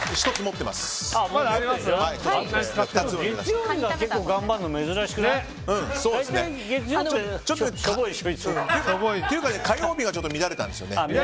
っていうかね、火曜日がちょっと乱れたんですよね。